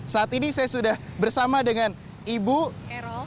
saat ini saya sudah bersama dengan ibu erol